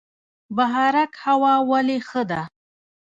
بهارک هوا ولې ښه ده؟